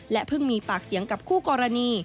เพิ่งมีปากเสียงกับคู่กรณี